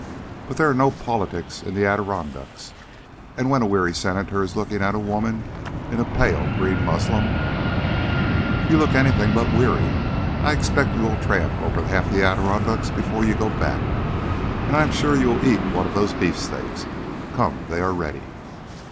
But there are no politics in the Adirondacks, and when a weary Senator is looking at a woman in a pale green muslin " "You look anything but weary. I expect you will tramp over half the Adirondacks before you go back. And I am sure you will eat one of those beefsteaks. Come, they are ready."